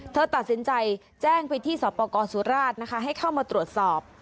เธอตัดสินใจแจ้งไปที่สปกรสุราชนะคะให้เข้ามาตรวจสอบ